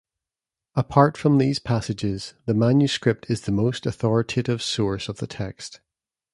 Apart from these passages, the manuscript is the most authoritative source of the text.